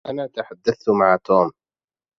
أنا تحدثت مع توم.